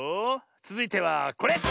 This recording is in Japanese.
つづいてはこれ！